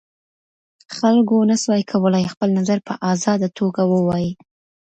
خلګو نسوای کولای خپل نظر په ازاده توګه ووایي.